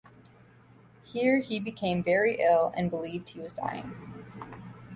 Here he became very ill, and believed he was dying.